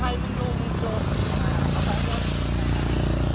มีคลิปก่อนนะครับ